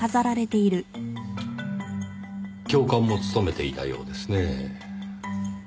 教官も務めていたようですねぇ。